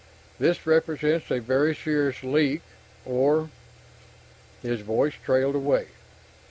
This represents a very serious leak or...." His voice trailed away.